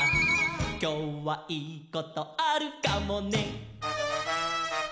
「きょうはいいことあるかもね」